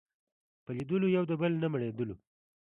په لیدلو یو د بل نه مړېدلو